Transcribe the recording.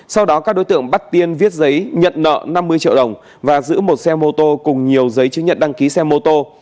sau đó các đối tượng bắt tiên viết giấy nhận nợ năm mươi triệu đồng và giữ một xe mô tô cùng nhiều giấy chứng nhận đăng ký xe mô tô